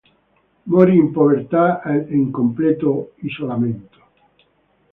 Morì in povertà ed in completo isolamento.